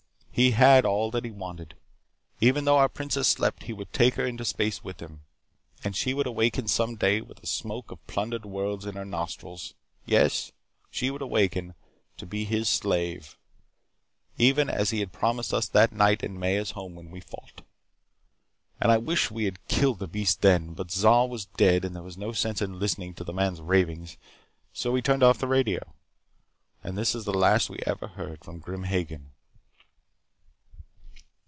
He had all that he wanted. Even though our princess slept, he would take her into space with him. And she would awaken some day with the smoke of plundered worlds in her nostrils. Yes, she would awaken to be his slave, even as he had promised us that night in Maya's home when we fought. And I wish I had killed the beast then. But Zol was dead and there was no sense in listening to this man's ravings, so we turned off our radio. And that is the last we ever heard from Grim Hagen.